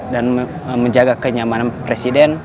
dan menjaga kenyamanan presiden